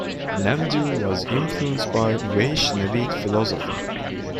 Namdev was influenced by Vaishnavite philosophy.